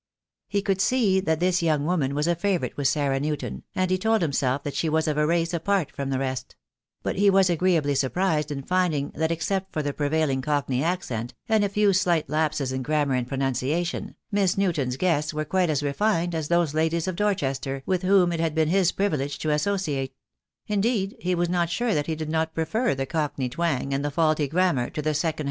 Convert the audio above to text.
He could see that this young woman was a favourite with Sarah Newton, and he told himself that she was of a race apart from the rest; but he was agreeably surprised in finding that except for the prevailing Cockney accent, and a few slight lapses in grammar and pronunciation, Miss Newton's guests were quite as refined as those ladies of Dorchester with whom it had been his privilege to as sociate; indeed, he was not sure that he did not prefer the Cockney twang and the faulty grammar to the second THE DAY WILL COME.